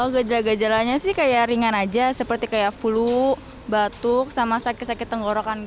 gejala gejalanya sih kayak ringan aja seperti kayak flu batuk sama sakit sakit tenggorokan